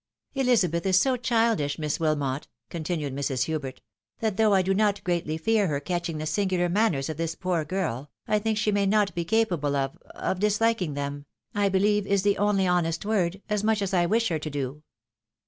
" Elizabeth is so cliildish. Miss Wihnot," continued Mrs. Hubert, "that though I do not greatly fear her catching the singular maimers of this poor girl, I think she may not be capable of — of disliking them, I believe is the only honest word, as much as I wish her to do."